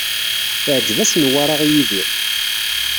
Teɛǧeb-as Newwara i Yidir